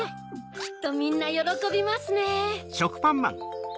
きっとみんなよろこびますね。